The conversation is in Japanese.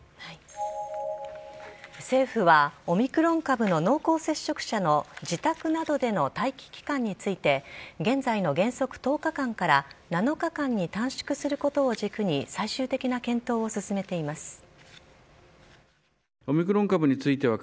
政府はオミクロン株の濃厚接触者の自宅などでの待機期間について現在の原則１０日間から７日間に短縮することを軸に最終的な検討を進めています。